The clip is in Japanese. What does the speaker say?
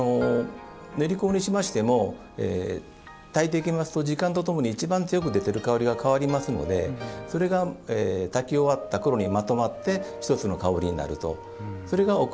煉香にしましてもたいていきますと時間とともに一番強く出ている香りが変わりますのでそれがたき終わったころにまとまって一つの香りになるそれがお香